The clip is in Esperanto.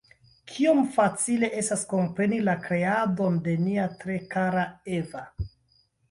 Kiom facile estas kompreni la kreadon de nia tre kara Eva!